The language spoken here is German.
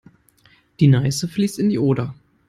Die Neiße fließt in die Oder.